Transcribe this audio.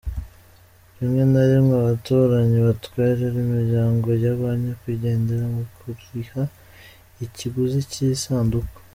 Rimwe na rimwe, abaturanyi batwerera imiryango ya ba nyakwigendera mu kuriha ikiguzi cy'isanduku.